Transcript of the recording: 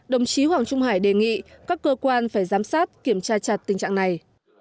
đồng chí hoàng trung hải đề nghị các cơ quan phải giám sát kiểm tra chặt tình trạng này